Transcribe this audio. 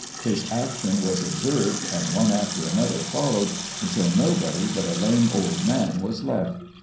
His action was observed, and one after another followed, until nobody but a lame old man was left.